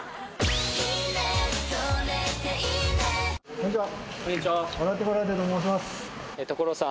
こんにちは！